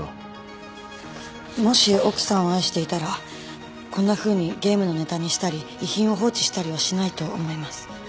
もし奥さんを愛していたらこんなふうにゲームのネタにしたり遺品を放置したりはしないと思います。